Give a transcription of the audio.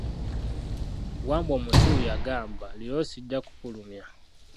Wambwa omusiru yagamba, leero sijja kukulumya.